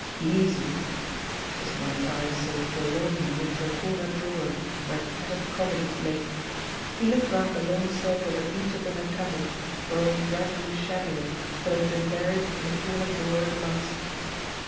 "Easy?" His mind's eye saw forlornly into a corner drawer, where tattered comedies lay. He looked round the long circle that each of them had travelled, growing gradually shabbier, tiU it had been buried in the corner drawer at last.